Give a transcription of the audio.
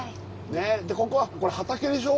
ここはこれ畑でしょ？